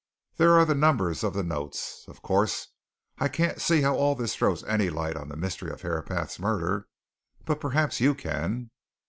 "There are the numbers of the notes. Of course, I can't see how all this throws any light on the mystery of Herapath's murder, but perhaps you can.